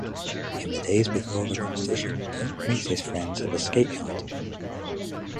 In the days before the competition, Brink meets his friends at the skate yard.